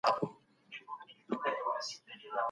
وفات سوي بزرګان حاضر او ناظر ګڼل کفر دی.